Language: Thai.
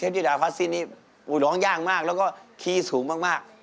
เพลงเทพธิดาฟัสซีนนี้อุดหร้องยากมากแล้วก็คีย์สูงมาก